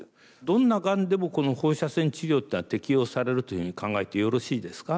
どんながんでもこの放射線治療っていうのは適用されるというふうに考えてよろしいですか？